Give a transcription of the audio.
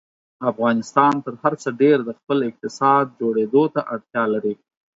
افغانستان تر هر څه ډېر د خپل اقتصاد جوړېدو ته اړتیا لري.